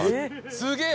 すげえ！